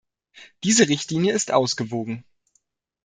Diese Richtlinie ist ausgewogen.